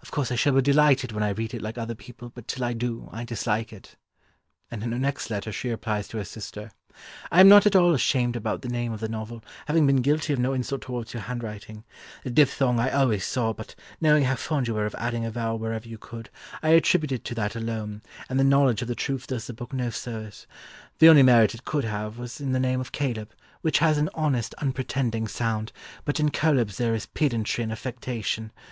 Of course I shall be delighted when I read it like other people, but till I do, I dislike it." And in her next letter she replies to her sister, "I am not at all ashamed about the name of the novel, having been guilty of no insult towards your handwriting; the diphthong I always saw, but knowing how fond you were of adding a vowel wherever you could, I attributed it to that alone, and the knowledge of the truth does the book no service; the only merit it could have was in the name of Caleb, which has an honest unpretending sound, but in Cœlebs there is pedantry and affectation.